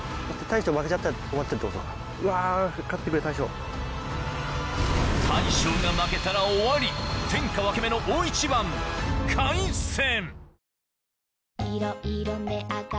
大将が負けたら終わり天下分け目の大一番開戦！